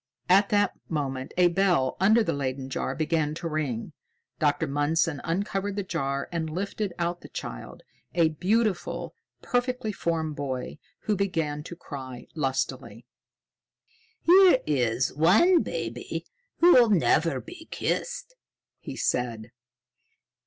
At that moment a bell under the Leyden jar began to ring. Dr. Mundson uncovered the jar and lifted out the child, a beautiful, perfectly formed boy, who began to cry lustily. "Here is one baby who'll never be kissed," he said.